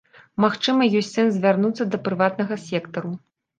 Магчыма, ёсць сэнс звярнуцца да прыватнага сектару.